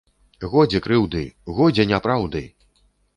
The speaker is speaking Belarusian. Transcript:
Годзе крыўды, годзе няпраўды!